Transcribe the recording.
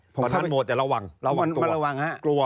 พ่อนั้นโหมดแต่ระวังตัว